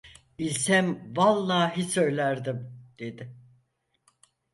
"Bilsem vallahi söylerdim" dedi.